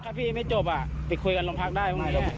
ถ้าพี่ไม่จบไปคุยกันลงพักได้